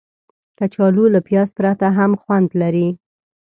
کچالو له پیاز پرته هم خوند لري